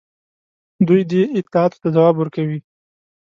دوی دې اطلاعاتو ته ځواب ورکوي.